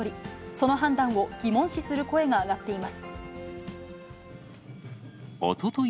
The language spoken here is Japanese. その判断を疑問視する声が上がっおととい